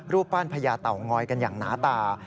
รูปปั้นพญาเต่างอยกันอย่างหนาตา